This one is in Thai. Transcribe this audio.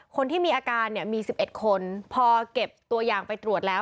คนที่มีอาการเนี่ยมี๑๑คนพอเก็บตัวอย่างไปตรวจแล้ว